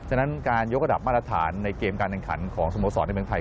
ฉะนั้นการยกระดับมาตรฐานในเกมการแข่งขันของสโมสรในเมืองไทย